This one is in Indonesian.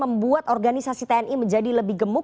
membuat organisasi tni menjadi lebih gemuk